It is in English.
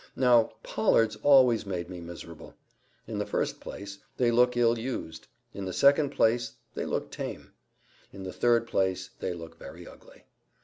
Now, pollards always made me miserable. In the first place, they look ill used; in the next place, they look tame; in the third place, they look very ugly.